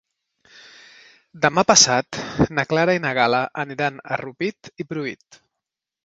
Demà passat na Clara i na Gal·la aniran a Rupit i Pruit.